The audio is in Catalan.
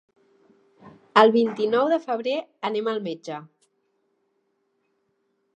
El vint-i-nou de febrer anem al metge.